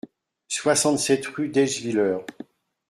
soixante-sept rue d'Eschviller